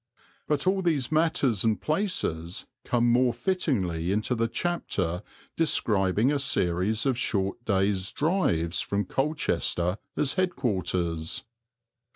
But all these matters and places come more fittingly into the chapter describing a series of short day's drives from Colchester as head quarters.